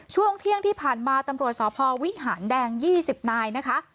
ช่วงเที่ยงที่ผ่านมาตำรวจสพวิหารแดง๒๐นายนะคะ